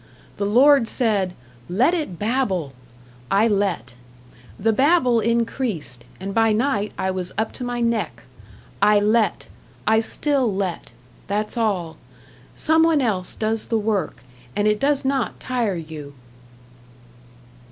The Lord said, "Let it babble!" I let. The babble increased, and by night I was up to my neck. I let. I still let. That's all. Someone else does the work, and it does not tire you.